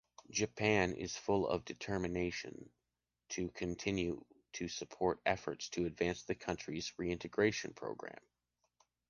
Japan is full of determination to continue to support efforts to advance the country's reintegration program.